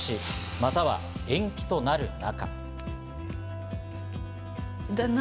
または延期となる中。